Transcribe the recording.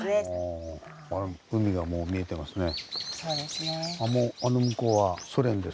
海がもう見えてますね。